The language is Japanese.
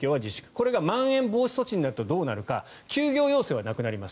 これがまん延防止措置になるとどうなるか休業要請はなくなります。